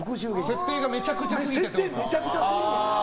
設定がめちゃくちゃすぎんねん。